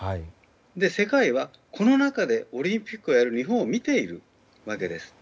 世界はこの中でオリンピックをやる日本を見ているわけです。